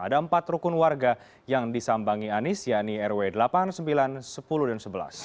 ada empat rukun warga yang disambangi anies yakni rw delapan sembilan sepuluh dan sebelas